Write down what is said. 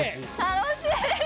楽しい！